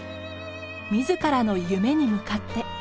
自らの夢に向かって。